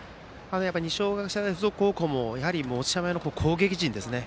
二松学舎大付属高校も持ち前の攻撃陣ですね。